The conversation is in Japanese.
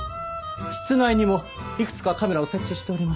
室内にもいくつかカメラを設置しております。